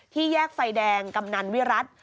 แยกไฟแดงกำนันวิรัติ